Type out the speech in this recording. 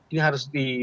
ini harus di